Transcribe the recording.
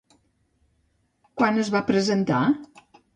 Quan es va presentar?